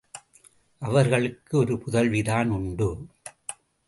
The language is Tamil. அவர்களுக்கு ஒருபுதல்விதான் உண்டு.